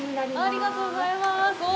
ありがとうございます。